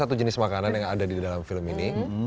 ada dua puluh satu jenis makanan yang ada di dalam film ini